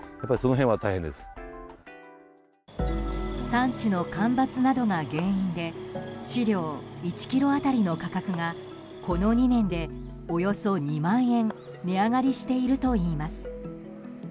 産地の干ばつなどが原因で飼料１ｋｇ当たりの価格がこの２年で、およそ２万円値上がりしているといいます。